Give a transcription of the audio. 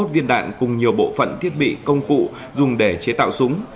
bốn mươi một viên đạn cùng nhiều bộ phận thiết bị công cụ dùng để chế tạo súng